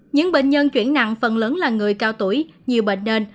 những bệnh nhân chuyển nặng phần lớn là người cao tuổi nhiều bệnh nền